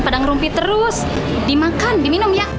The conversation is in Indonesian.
padang rumpit terus dimakan diminum yang